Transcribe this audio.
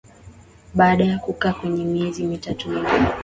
Baada ya kukaa Kenya miezi mitatu hivi